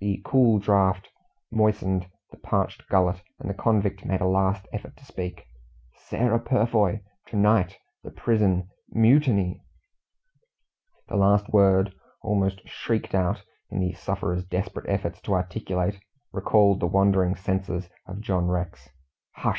The cool draught moistened his parched gullet, and the convict made a last effort to speak. "Sarah Purfoy to night the prison MUTINY!" The last word, almost shrieked out, in the sufferer's desperate efforts to articulate, recalled the wandering senses of John Rex. "Hush!"